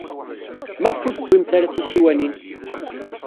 Maɣef ur tewwim ara tisiwanin?